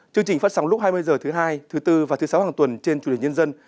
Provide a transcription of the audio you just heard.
chương trình phát sóng lúc hai mươi h thứ hai thứ bốn và thứ sáu hàng tuần trên chủ đề nhân dân